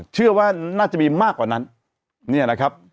เชื่อว่าน่าจะมีมากกว่านั้น